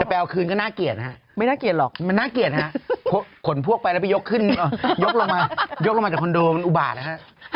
แต่ไปเอาคืนก็น่าเกลียดฮะเป็นน่าเกลียดฮะขนพวกไปแล้วยกขึ้นยกลงมาจากคอนโดมันอุบาดนะฮะ